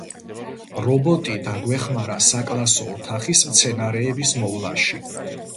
რობოტი დაგვეხმარა საკლასო ოთახის მცენარეების მოვლაში.